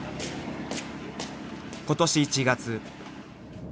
［今年１月］